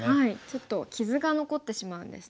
ちょっと傷が残ってしまうんですね。